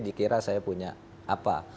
dikira saya punya apa